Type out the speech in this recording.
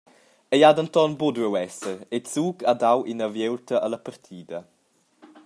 Ei ha denton buca duiu esser e Zug ha dau ina viulta alla partida.